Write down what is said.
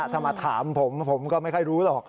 ถ้ามาถามผมผมก็ไม่ค่อยรู้หรอก